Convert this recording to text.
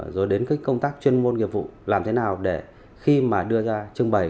rồi đến công tác chuyên môn nghiệp vụ làm thế nào để khi mà đưa ra trưng bày